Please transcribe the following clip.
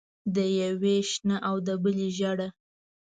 د یوې شنه او د بلې ژېړه.